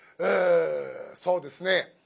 そうですね